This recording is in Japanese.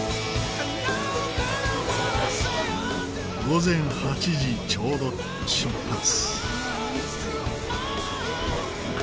午前８時ちょうど出発。